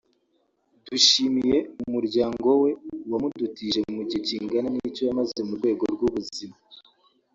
Dushimiye umuryango we wamudutije mu gihe kingana n’icyo yamaze mu rwego rw’ubuzima